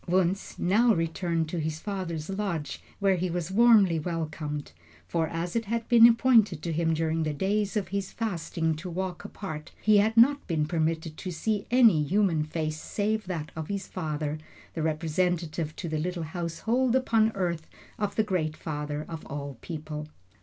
Wunzh now returned to his father's lodge, where he was warmly welcomed. For as it had been appointed to him during the days of his fasting to walk apart, he had not been permitted to see any human face save that of his father, the representative to the little household upon earth of the great Father of all people.